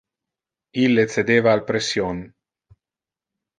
Ille cedeva al pression.